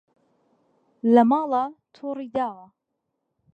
لە ماڵا توڕی داوە